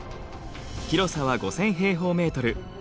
広さは５，０００平方メートル。